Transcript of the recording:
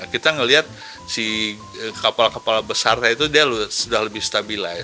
kita melihat si kapal kapal besarnya itu dia sudah lebih stabilized